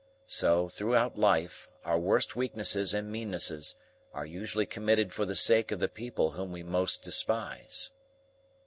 So, throughout life, our worst weaknesses and meannesses are usually committed for the sake of the people whom we most despise.